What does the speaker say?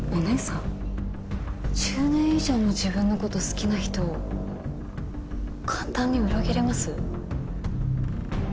１０年以上も自分の事好きな人を簡単に裏切れます？